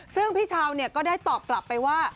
ซึ่งพี่เช้าก็ได้ตอบกลับไปว่า